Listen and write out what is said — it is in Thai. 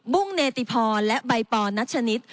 บุงเนติพรณ์และใบปรณ์นักชนิด